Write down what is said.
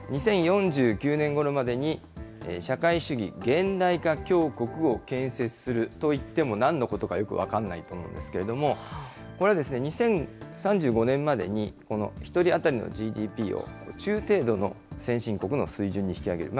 ２０４９年ごろまでに、社会主義現代化強国を建設するといってもなんのことかよく分かんないと思うんですけれども、これ、２０３５年までにこの１人当たりのＧＤＰを中程度の先進国の水準に引き上げる。